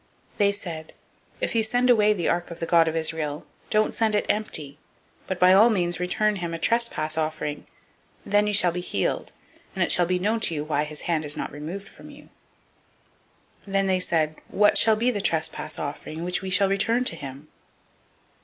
006:003 They said, "If you send away the ark of the God of Israel, don't send it empty; but by all means return him a trespass offering: then you shall be healed, and it shall be known to you why his hand is not removed from you." 006:004 Then they said, "What shall be the trespass offering which we shall return to him?"